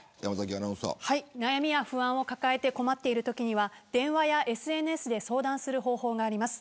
悩みや不安を抱えて困っているときには電話やＳＮＳで相談する方法があります。